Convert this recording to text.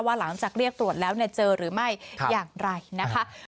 หลังจากเรียกตรวจแล้วเจอหรือไม่อย่างไรนะคะ